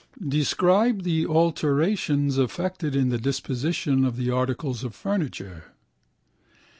Describe the alterations effected in the disposition of the articles of furniture.